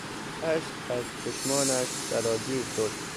اشک از چشمانش سرازیر شد.